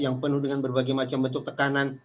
yang penuh dengan berbagai macam bentuk tekanan